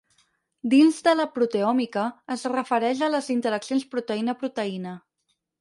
Dins de la proteòmica, es refereix a les interaccions proteïna-proteïna.